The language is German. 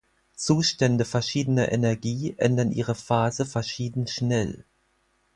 Zustände verschiedener Energie ändern ihre Phase verschieden schnell.